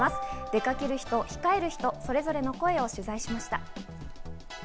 出かける人、控える人、それぞれの声を取材しました。